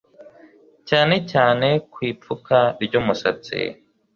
cyane cyane ku ipfuka ry'umusatsi